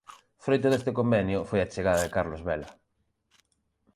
Froito deste convenio foi a chegada de Carlos Vela.